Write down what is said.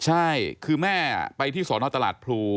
ใช่คือแม่ไปที่สรตพลุ